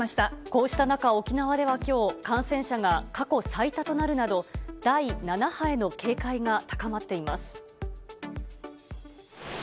こうした中、沖縄ではきょう、感染者が過去最多となるなど、第７波への警戒が高まっています。